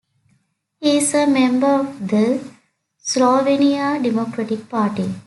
He is a member of the Slovenian Democratic Party.